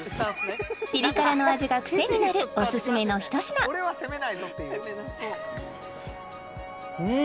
ピリ辛の味が癖になるオススメのひと品うん！